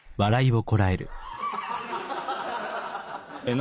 何？